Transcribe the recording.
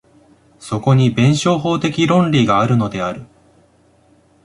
そこに弁証法的論理があるのである。